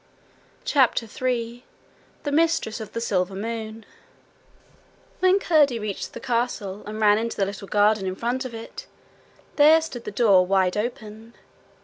CHAPTER 3 The Mistress of the Silver Moon When Curdie reached the castle, and ran into the little garden in front of it, there stood the door wide open.